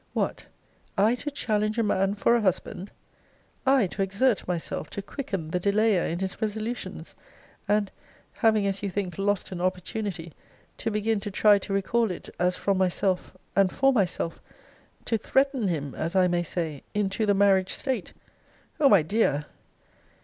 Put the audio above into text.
What! I to challenge a man for a husband! I to exert myself to quicken the delayer in his resolutions! and, having as you think lost an opportunity, to begin to try to recall it, as from myself, and for myself! to threaten him, as I may say, into the marriage state! O my dear!